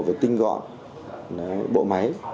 với tinh gọn bộ máy